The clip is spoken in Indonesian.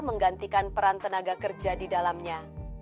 menggantikan peran tenaga kerja didalamnya